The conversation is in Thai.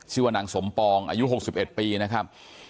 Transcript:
ชื่อว่านังสมปองอายุหกสิบเอ็ดปีนะครับ